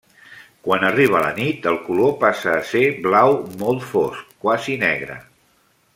Quan arriba la nit el color passa a ser blau molt fosc, quasi negre.